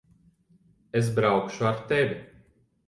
Es braukšu ar tevi.